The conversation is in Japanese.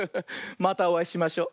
またおあいしましょ。